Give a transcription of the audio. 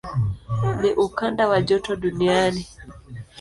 Ni ukanda wa joto duniani.